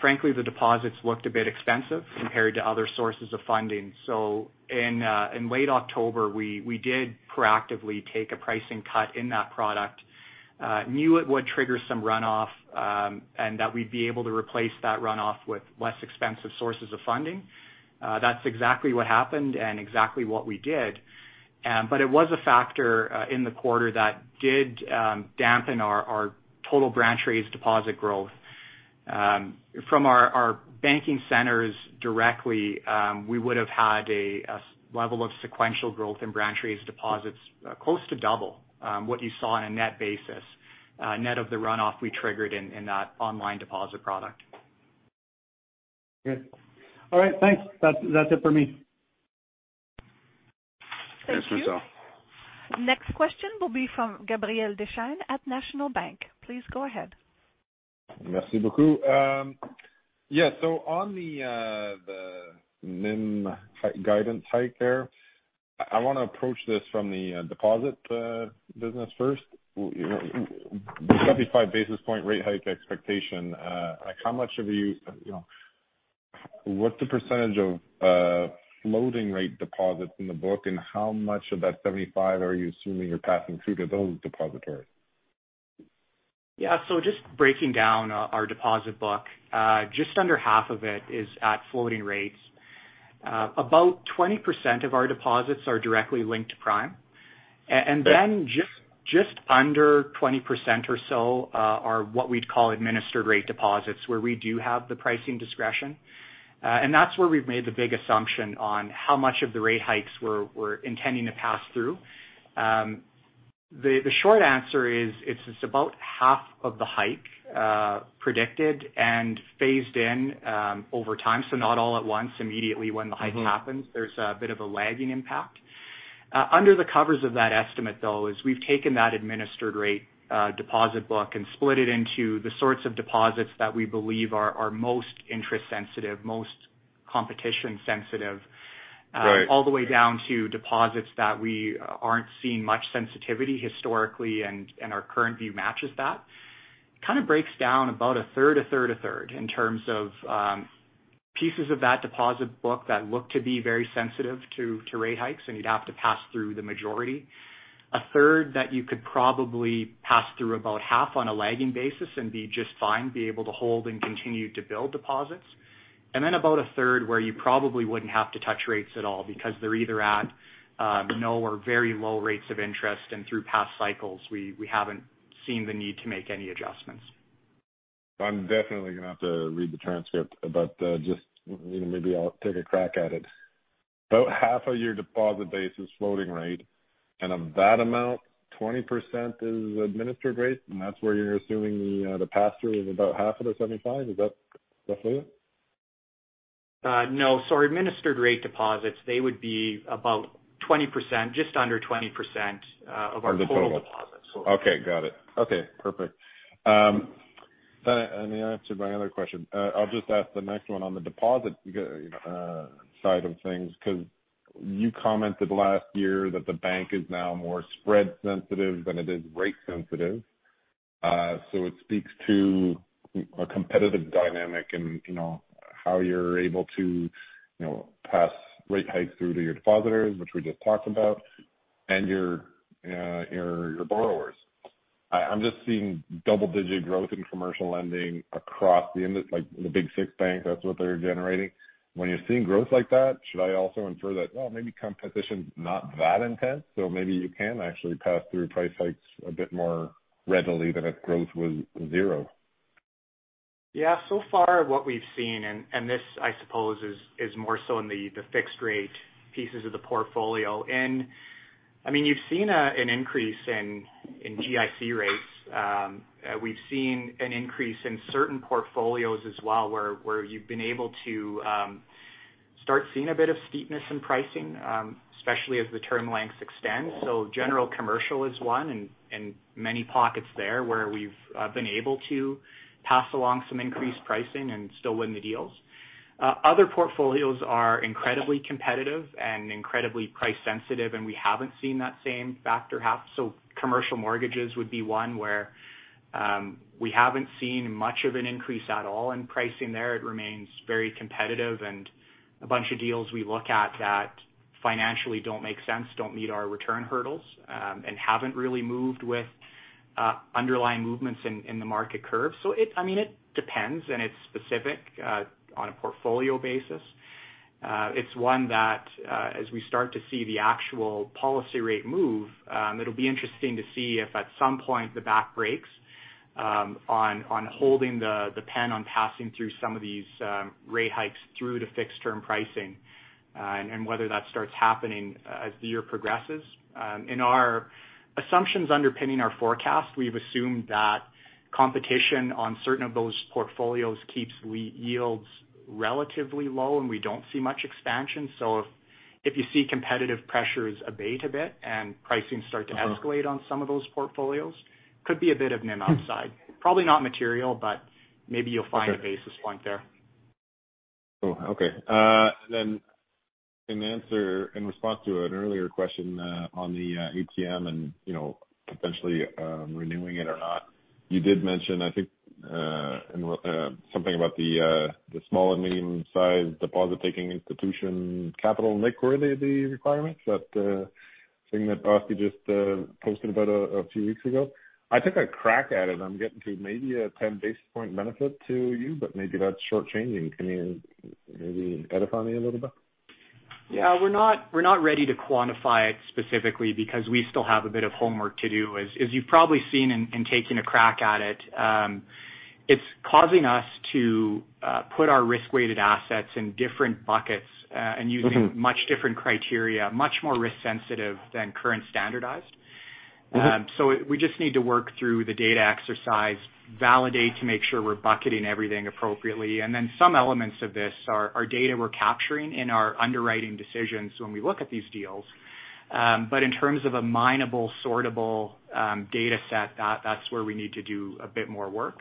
Frankly, the deposits looked a bit expensive compared to other sources of funding. In late October, we did proactively take a pricing cut in that product, knew it would trigger some runoff, and that we'd be able to replace that runoff with less expensive sources of funding. That's exactly what happened and exactly what we did. It was a factor in the quarter that did dampen our total branch raised deposit growth. From our banking centers directly, we would have had a level of sequential growth in branch raised deposits close to double what you saw on a net basis, net of the runoff we triggered in that online deposit product. Okay. All right, thanks. That's it for me. Thank you. Thanks, Marcel. Next question will be from Gabriel Dechaine at National Bank. Please go ahead. Merci beaucoup. Yeah, on the NIM guidance hike there, I want to approach this from the deposit business first, the 75 basis point rate hike expectation, like how much of it, you know, what's the percentage of floating rate deposits in the book, and how much of that 75% are you assuming you're passing through to those depositors? Yeah. Just breaking down our deposit book, just under half of it is at floating rates. About 20% of our deposits are directly linked to prime. And then just under 20% or so are what we'd call administered rate deposits, where we do have the pricing discretion. And that's where we've made the big assumption on how much of the rate hikes we're intending to pass through. The short answer is it's just about half of the hike, predicted and phased in over time. Not all at once immediately when the hike happens. Mm-hmm. There's a bit of a lagging impact. Under the covers of that estimate, though, is we've taken that administered rate deposit book and split it into the sorts of deposits that we believe are most interest sensitive, most competition sensitive Right all the way down to deposits that we aren't seeing much sensitivity historically, and our current view matches that. It kind of breaks down about a third, a third, a third in terms of pieces of that deposit book that look to be very sensitive to rate hikes, and you'd have to pass through the majority. A third that you could probably pass through about half on a lagging basis and be just fine, be able to hold and continue to build deposits. about a third where you probably wouldn't have to touch rates at all because they're either at no or very low rates of interest. Through past cycles, we haven't seen the need to make any adjustments. I'm definitely gonna have to read the transcript, but, just, you know, maybe I'll take a crack at it. About half of your deposit base is floating rate, and of that amount, 20% is administered rate, and that's where you're assuming the pass-through is about half of the 75. Is that roughly it? No. Our administered rate deposits, they would be about 20%, just under 20%, of our total deposits. Of the total. Okay, got it. Okay, perfect. Then in answer to my other question, I'll just ask the next one on the deposit side of things, because you commented last year that the bank is now more spread sensitive than it is rate sensitive. It speaks to a competitive dynamic and, you know, how you're able to, you know, pass rate hikes through to your depositors, which we just talked about, and your borrowers. I'm just seeing double-digit growth in commercial lending across the industry like the big six banks, that's what they're generating. When you're seeing growth like that, should I also infer that, well, maybe competition is not that intense, so maybe you can actually pass through price hikes a bit more readily than if growth was zero? Yeah. So far what we've seen, this I suppose is more so in the fixed rate pieces of the portfolio. I mean, you've seen an increase in GIC rates. We've seen an increase in certain portfolios as well, where you've been able to start seeing a bit of steepness in pricing, especially as the term lengths extend. General commercial is one and many pockets there where we've been able to pass along some increased pricing and still win the deals. Other portfolios are incredibly competitive and incredibly price sensitive, and we haven't seen that same factor yet. Commercial mortgages would be one where we haven't seen much of an increase at all in pricing there. It remains very competitive and a bunch of deals we look at that financially don't make sense, don't meet our return hurdles, and haven't really moved with underlying movements in the market curve. I mean, it depends, and it's specific on a portfolio basis. It's one that, as we start to see the actual policy rate move, it'll be interesting to see if at some point the back breaks on holding the pen on passing through some of these rate hikes through to fixed term pricing, and whether that starts happening as the year progresses. In our assumptions underpinning our forecast, we've assumed that competition on certain of those portfolios keeps yields relatively low, and we don't see much expansion. If you see competitive pressures abate a bit and pricing start to escalate on some of those portfolios, could be a bit of NIM upside. Probably not material, but maybe you'll find a basis point there. Oh, okay. An answer in response to an earlier question on the ATM and, you know, potentially renewing it or not. You did mention, I think, in something about the small and medium-sized deposit taking institution capital and liquidity requirements, that thing that OSFI just posted about a few weeks ago. I took a crack at it. I'm getting to maybe a 10 basis point benefit to you, but maybe that's short-changing. Can you maybe edify me a little bit? Yeah. We're not ready to quantify it specifically because we still have a bit of homework to do. As you've probably seen in taking a crack at it's causing us to put our risk-weighted assets in different buckets. Okay using much different criteria, much more risk sensitive than current standardized. Uh-huh. We just need to work through the data exercise, validate to make sure we're bucketing everything appropriately. Some elements of this are data we're capturing in our underwriting decisions when we look at these deals. In terms of a minable sortable data set, that's where we need to do a bit more work.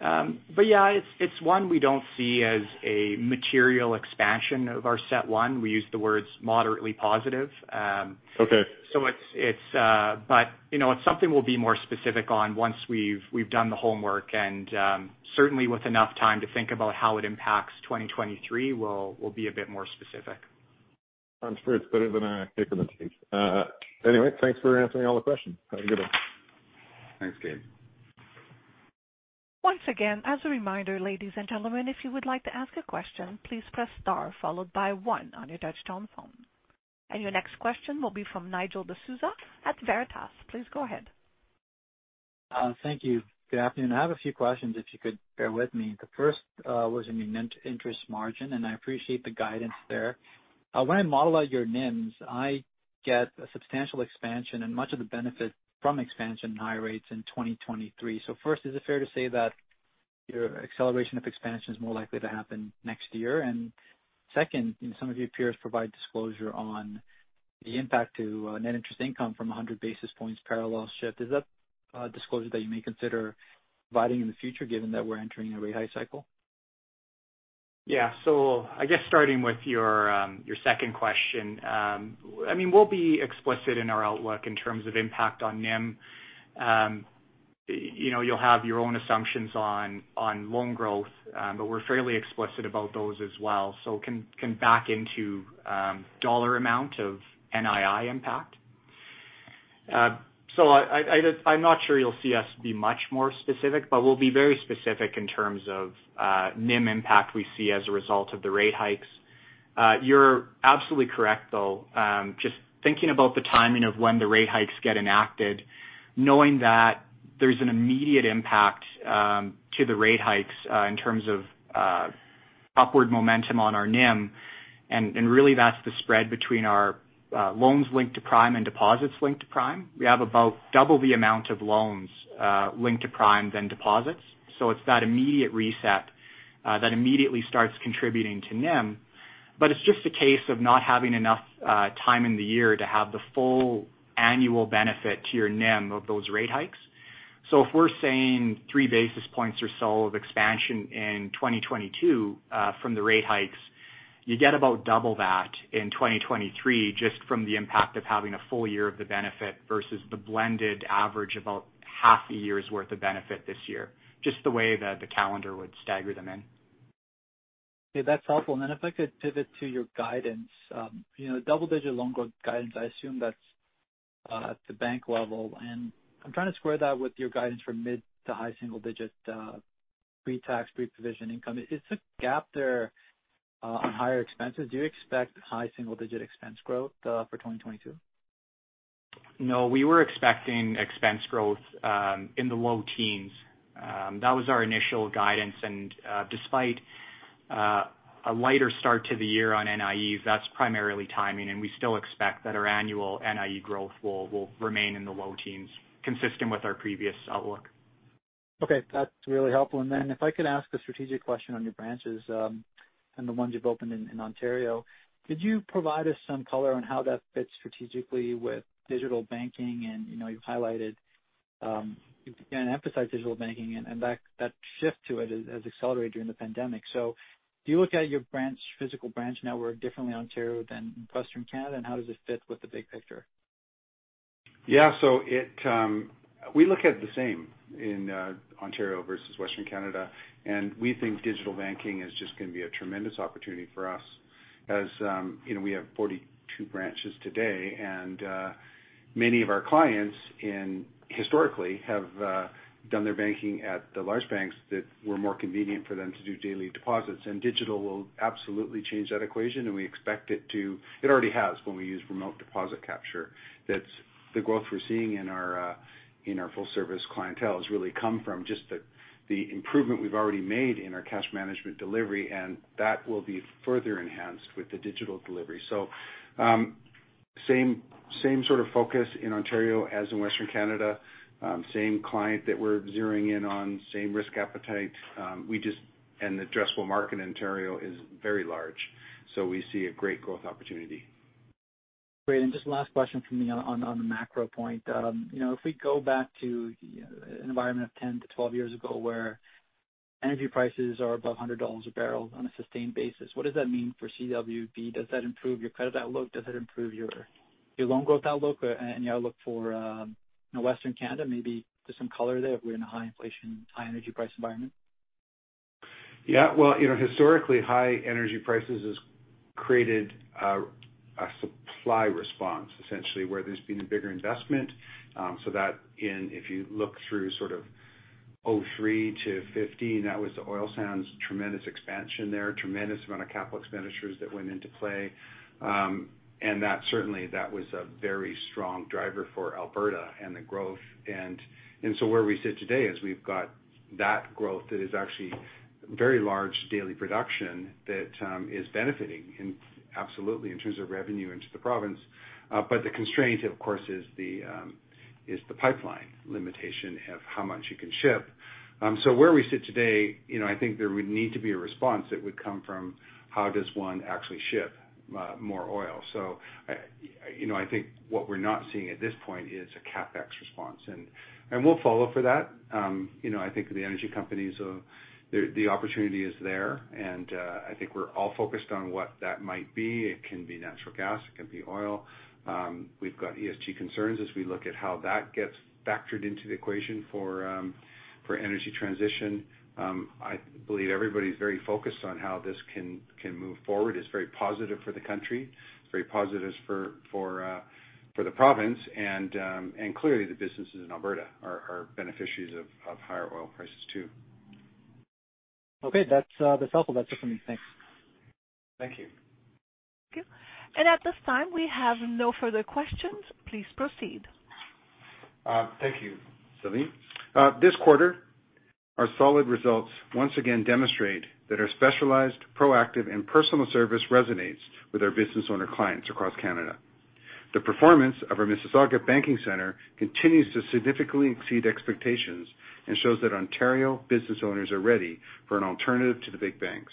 Yeah, it's one we don't see as a material expansion of our set one. We use the words moderately positive. Okay. It's something we'll be more specific on once we've done the homework and certainly with enough time to think about how it impacts 2023, we'll be a bit more specific. Sounds fair. It's better than a kick in the teeth. Anyway, thanks for answering all the questions. Have a good day. Thanks, Gabe. Once again, as a reminder, ladies and gentlemen, if you would like to ask a question, please press star followed by one on your touchtone phone. Your next question will be from Nigel D'Souza at Veritas. Please go ahead. Thank you. Good afternoon. I have a few questions, if you could bear with me. The first was in the net interest margin, and I appreciate the guidance there. When I model out your NIMs, I get a substantial expansion and much of the benefit from expansion high rates in 2023. First, is it fair to say that your acceleration of expansion is more likely to happen next year? Second, some of your peers provide disclosure on the impact to net interest income from 100 basis points parallel shift. Is that a disclosure that you may consider providing in the future, given that we're entering a rate hike cycle? Yeah. I guess starting with your second question, I mean, we'll be explicit in our outlook in terms of impact on NIM. You know, you'll have your own assumptions on loan growth, but we're fairly explicit about those as well. You can back into dollar amount of NII impact. I'm not sure you'll see us be much more specific, but we'll be very specific in terms of NIM impact we see as a result of the rate hikes. You're absolutely correct, though. Just thinking about the timing of when the rate hikes get enacted, knowing that there's an immediate impact of the rate hikes in terms of upward momentum on our NIM. Really, that's the spread between our loans linked to prime and deposits linked to prime. We have about double the amount of loans linked to prime than deposits. It's that immediate reset that immediately starts contributing to NIM. It's just a case of not having enough time in the year to have the full annual benefit to your NIM of those rate hikes. If we're saying 3 basis points or so of expansion in 2022 from the rate hikes, you get about double that in 2023 just from the impact of having a full year of the benefit versus the blended average about half a year's worth of benefit this year, just the way that the calendar would stagger them in. Okay, that's helpful. If I could pivot to your guidance, you know, double-digit loan growth guidance, I assume that's at the bank level. I'm trying to square that with your guidance for mid- to high-single-digit pre-tax, pre-provision income. Is the gap there on higher expenses? Do you expect high-single-digit expense growth for 2022? No, we were expecting expense growth in the low teens. That was our initial guidance. Despite a lighter start to the year on NIEs, that's primarily timing, and we still expect that our annual NIE growth will remain in the low teens, consistent with our previous outlook. Okay, that's really helpful. Then if I could ask a strategic question on your branches and the ones you've opened in Ontario. Could you provide us some color on how that fits strategically with digital banking and, you know, you've highlighted, you've again emphasized digital banking and that shift to it has accelerated during the pandemic. Do you look at your physical branch network differently in Ontario than in western Canada, and how does this fit with the big picture? Yeah. We look at the same in Ontario versus Western Canada, and we think digital banking is just gonna be a tremendous opportunity for us. As you know, we have 42 branches today, and many of our clients historically have done their banking at the large banks that were more convenient for them to do daily deposits. Digital will absolutely change that equation, and we expect it to. It already has when we use remote deposit capture. That's the growth we're seeing in our full service clientele has really come from just the improvement we've already made in our cash management delivery, and that will be further enhanced with the digital delivery. Same sort of focus in Ontario as in Western Canada. Same client that we're zeroing in on, same risk appetite. The addressable market in Ontario is very large, so we see a great growth opportunity. Great. Just last question from me on the macro point. You know, if we go back to an environment of 10 to 12 years ago where energy prices are above $100 a barrel on a sustained basis, what does that mean for CWB? Does that improve your credit outlook? Does that improve your loan growth outlook and your outlook for Western Canada? Maybe just some color there if we're in a high inflation, high energy price environment. Yeah. Well, you know, historically high energy prices has created a supply response essentially where there's been a bigger investment, so that if you look through sort of 2003 to 2015, that was the oil sands tremendous expansion there. Tremendous amount of capital expenditures that went into play. That certainly was a very strong driver for Alberta and the growth. So where we sit today is we've got that growth that is actually very large daily production that is benefiting, absolutely, in terms of revenue into the province. But the constraint of course is the pipeline limitation of how much you can ship. So where we sit today, you know, I think there would need to be a response that would come from how does one actually ship more oil. You know, I think what we're not seeing at this point is a CapEx response, and we'll follow for that. You know, I think the energy companies, the opportunity is there, and I think we're all focused on what that might be. It can be natural gas. It can be oil. We've got ESG concerns as we look at how that gets factored into the equation for for energy transition. I believe everybody's very focused on how this can move forward. It's very positive for the country. It's very positive for the province. Clearly the businesses in Alberta are beneficiaries of higher oil prices too. Okay. That's helpful. That's it for me. Thanks. Thank you. Thank you. At this time, we have no further questions. Please proceed. Thank you, Sylvie. This quarter our solid results once again demonstrate that our specialized, proactive, and personal service resonates with our business owner clients across Canada. The performance of our Mississauga banking center continues to significantly exceed expectations and shows that Ontario business owners are ready for an alternative to the big banks.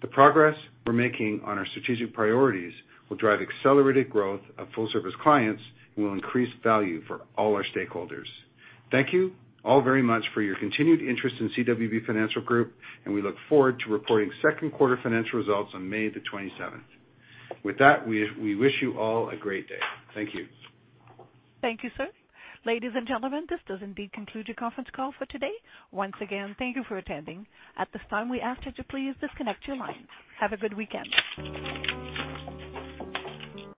The progress we're making on our strategic priorities will drive accelerated growth of full service clients and will increase value for all our stakeholders. Thank you all very much for your continued interest in CWB Financial Group, and we look forward to reporting Q2 financial results on May 27th. With that, we wish you all a great day. Thank you. Thank you, sir. Ladies and gentlemen, this does indeed conclude your conference call for today. Once again, thank you for attending. At this time, we ask that you please disconnect your lines. Have a good weekend.